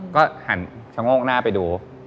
ก็หันชะโงกหน้าไปดู